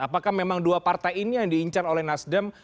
apakah memang dua partai ini yang diincar oleh nasdem